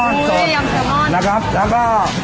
โม่ทูและยามเสือกม้อนนะครับ